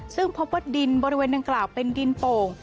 ซึ่งพบว่าดินบริเวณดังกล่าวเป็นดินโป่ง